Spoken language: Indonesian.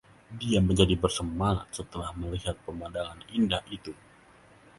Dia menjadi bersemangat setelah melihat pemandangan indah itu.